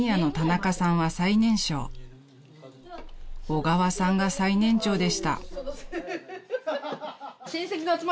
［小川さんが最年長でした］